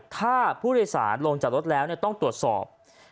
ถ้าผู้โดยสารลงจากรถแล้วต้องตรวจสอบ